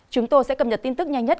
chúng tôi sẽ cập nhật tin tức nhanh nhất